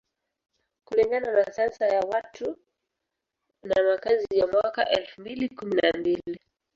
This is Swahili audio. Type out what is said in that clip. Kulingana na Sensa ya watu na makazi ya mwaka elfu mbili kumi na mbili